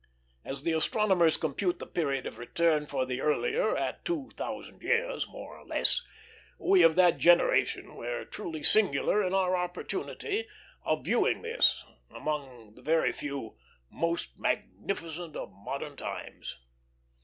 As the astronomers compute the period of return for the earlier at two thousand years, more or less, we of that generation were truly singular in our opportunity of viewing this, among the very few "most magnificent of modern times."